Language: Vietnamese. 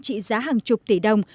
trị giá hàng chục tỷ đồng